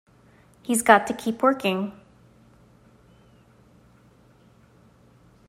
He's got to keep working.